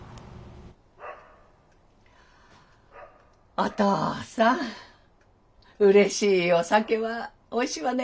お父さんうれしいお酒はおいしいわね。